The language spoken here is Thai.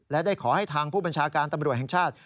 และได้ขอให้ทางผู้บัญชาการตำรวจแห่งชาติ